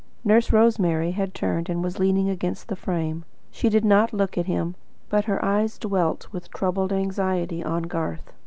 Nurse Rosemary had turned and was leaning against the frame. She did not look at him, but her eyes dwelt with troubled anxiety on Garth.